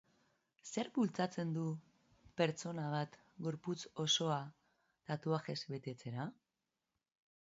Zerk bultzatzen du pertsona bat gorputz osoa tatuajez betetzera?